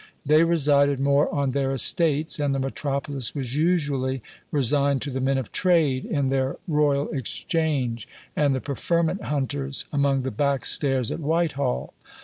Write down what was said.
They resided more on their estates, and the metropolis was usually resigned to the men of trade in their Royal Exchange, and the preferment hunters among the backstairs at Whitehall.